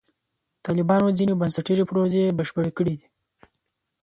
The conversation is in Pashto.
طالبانو ځینې بنسټیزې پروژې بشپړې کړې دي.